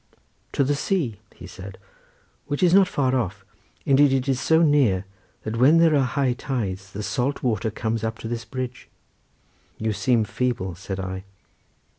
"To the sea," he said, "which is not far off; indeed it is so near, that when there are high tides the salt water comes up to this bridge." "You seem feeble?" said I.